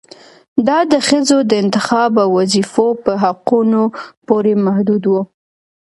دا د ښځو د انتخاب او وظيفو په حقونو پورې محدود و